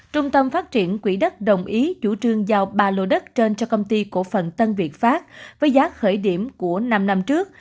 trung tâm phát triển quỹ đất đồng ý chủ trương giao ba lô đất trên cho công ty cổ phần tân việt pháp với giá khởi điểm của năm năm trước